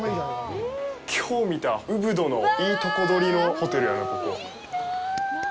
きょう見たウブドのいいとこ取りのホテルやな、ここ。